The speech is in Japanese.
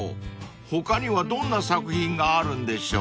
［他にはどんな作品があるんでしょう？］